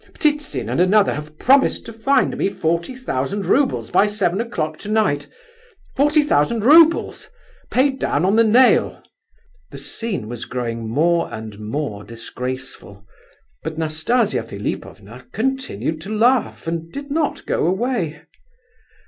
Ptitsin and another have promised to find me forty thousand roubles by seven o'clock tonight. Forty thousand roubles—paid down on the nail!" The scene was growing more and more disgraceful; but Nastasia Philipovna continued to laugh and did not go away.